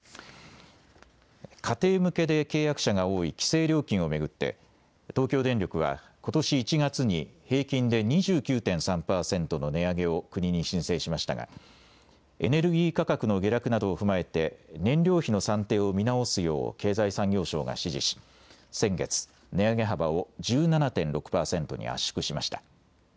家庭向けで契約者が多い規制料金を巡って東京電力はことし１月に平均で２９．３パーセントの値上げを国に申請しましたがエネルギー価格の下落などを踏まえて燃料費の算定を見直すよう経済産業省が指示し先月、値上げ幅を１７．６パーセントに圧縮しました。